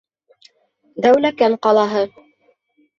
Дәүләкән ҡалаһы.